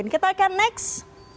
kita akan next